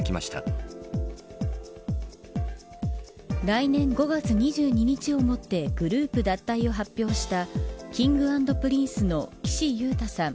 来年５月２２日をもってグループ脱退を発表したＫｉｎｇ＆Ｐｒｉｎｃｅの岸優太さん